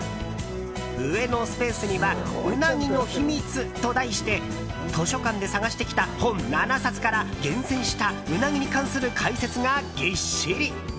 上のスペースには「うなぎのひみつ」と題して図書館で探してきた本７冊から厳選したウナギに関する解説がぎっしり。